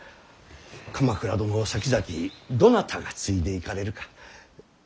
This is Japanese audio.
鎌倉殿をさきざきどなたが継いでいかれるか。